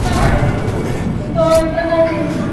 তিনি একটি কৃষক পরিবারে জন্মগ্রহণ করেন।